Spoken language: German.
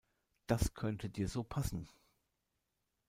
Das könnte dir so passen.